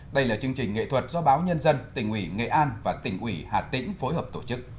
đây là chương trình nghệ thuật do báo nhân dân tỉnh ủy nghệ an và tỉnh ủy hà tĩnh phối hợp tổ chức